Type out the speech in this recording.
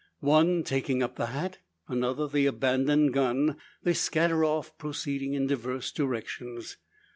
One taking up the hat, another the abandoned gun, they scatter off, proceeding in diverse directions.